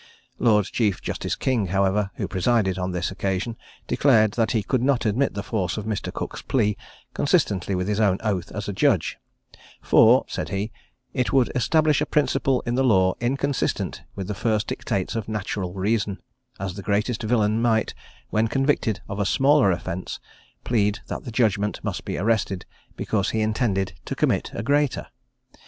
Lord Chief Justice King, however, who presided on this occasion, declared that he could not admit the force of Mr. Cooke's plea, consistently with his own oath as a judge: "for (said he) it would establish a principle in the law inconsistent with the first dictates of natural reason, as the greatest villain might, when convicted of a smaller offence, plead that the judgment must be arrested, because he intended to commit a greater.